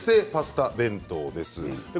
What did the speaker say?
冷製パスタ弁当です。